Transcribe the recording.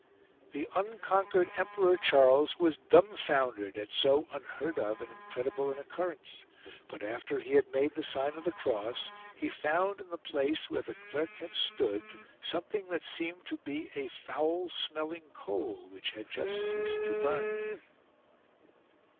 The unconquered Em peror Charles was dumfoundercd at so unheard of and incredible an occurrence : but, after he had made the sign of the cross, he found in the place where the clerk had stood something that seemed to be a foul smelling coal, which had just ceased to burn.